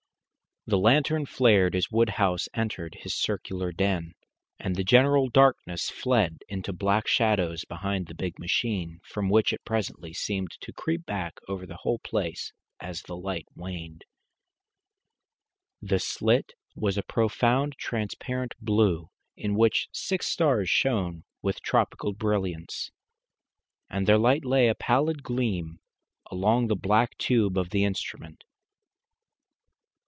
The lantern flared as Woodhouse entered his circular den, and the general darkness fled into black shadows behind the big machine, from which it presently seemed to creep back over the whole place again as the light waned. The slit was a profound transparent blue, in which six stars shone with tropical brilliance, and their light lay, a pallid gleam, along the black tube of the instrument.